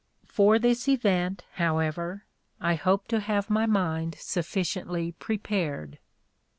For this event, however, I hope to have my mind sufficiently prepared."